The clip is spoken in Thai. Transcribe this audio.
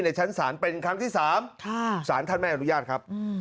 ชั้นศาลเป็นครั้งที่๓สารท่านไม่อนุญาตครับ